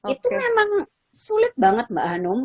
itu memang sulit banget mbak hanum